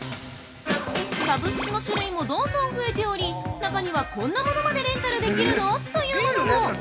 サブスクの種類もどんどん増えており中には、こんなものまでレンタルできるの？というものも。